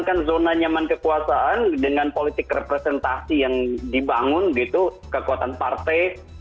akan zona nyaman kekuasaan dengan politik representasi yang dibangun gitu kekuatan partai